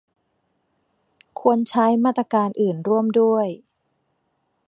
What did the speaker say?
ควรใช้มาตรการอื่นร่วมด้วย